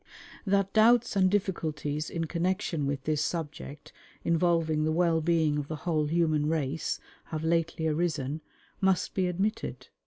That doubts and difficulties in connection with this subject, involving the well being of the whole human race, have lately arisen, must be admitted.